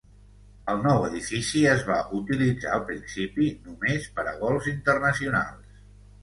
El nou edifici es va utilitzar al principi, només per a vols internacionals.